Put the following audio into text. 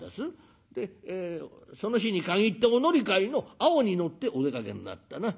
「その日に限ってお乗り換えの青に乗ってお出かけになったな。